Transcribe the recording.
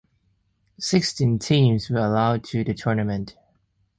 Sixteen teams were allowed to the tournament.